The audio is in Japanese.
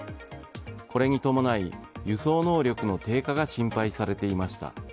これに伴い、輸送能力の低下が心配されていました。